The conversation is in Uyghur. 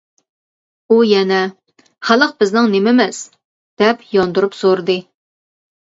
ئۇ يەنە «خەلق بىزنىڭ نېمىمىز؟ » دەپ ياندۇرۇپ سورىدى.